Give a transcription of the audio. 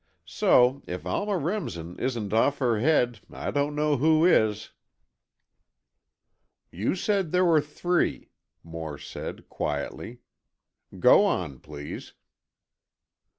So, if Alma Remsen isn't off her head, I don't know who is!" "You said there were three," Moore said, quietly, "go on, please."